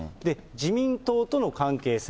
自民党との関係性。